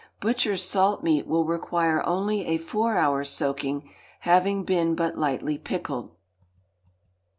Butchers' salt meat will require only a four hours' soaking, having been but lightly pickled.